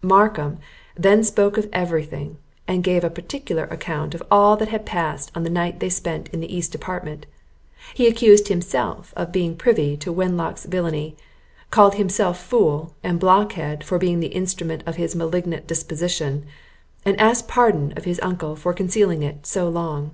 Markham then spoke of every thing, and gave a particular account of all that had passed on the night they spent in the east apartment; he accused himself of being privy to Wenlock's villany, called himself fool and blockhead for being the instrument of his malignant disposition, and asked pardon of his uncle for concealing it so long.